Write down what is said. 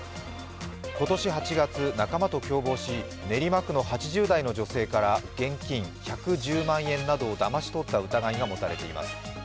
今年８月仲間と共謀し練馬区の８０代の女性から現金１１０万円などをだまし取った疑いが持たれています。